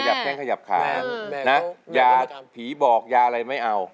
แข้งขยับขานะยาผีบอกยาอะไรไม่เอา